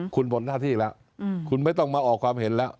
คุณหมดหน้าที่แล้วคุณไม่ต้องมาออกความเห็นแล้ว